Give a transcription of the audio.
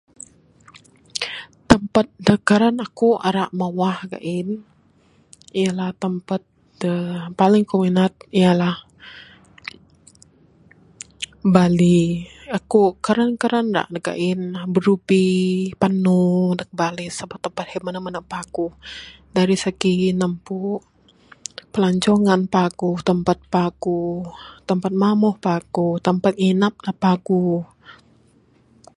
Tempat da karan aku' ira mawah gain ialah tempat da paling ku' minat ialah Bali. Aku' karan karan ra' ga'in. Birubi, panu, da Bali sebab tempat he menu' menu' paguh. Dari segi ne mpu' pelancongan paguh. Tempat pauh, tempat mamuh paguh, tempat nginap ne paguh.